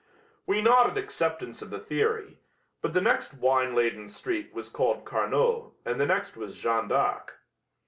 We nodded acceptance of the theory, but the next wine laden street was called Carnot and the next was Jeanne d'Arc.